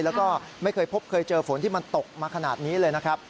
แล้วก็ไม่เคยพบเคยเจอฝนที่มันตกมาขนาดนี้เลยนะครับ